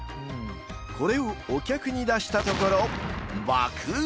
［これをお客に出したところ］